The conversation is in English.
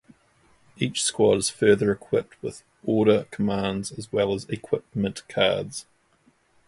Each squad is further equipped with order commands as well as equipment cards.